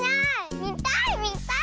みたいみたい！